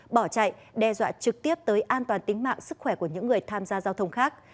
bỏ chạy đe dọa trực tiếp tới an toàn tính mạng sức khỏe của những người tham gia giao thông khác